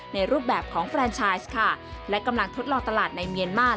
ในรูปแบบของแฟนชายค่ะและกำลังทดลองตลาดในเมียนมาส